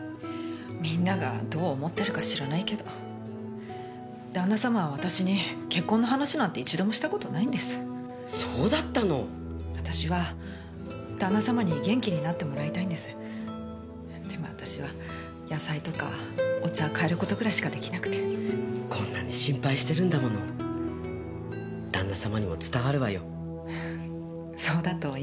みんながどう思ってるか知らないけど旦那さまは私に結婚の話なんて一度もしたことないんですそうだったの私は旦那さまに元気になってもらいたいんですでも私は野菜とかお茶替えることぐらいしかできなくてこんなに心配してるんだもの旦那さまにも伝わるわよ